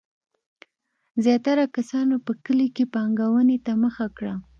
زیاتره کسانو په کلیو کې پانګونې ته مخه کړه.